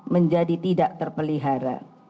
menjadi tidak terpelihara